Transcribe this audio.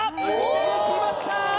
抜きました！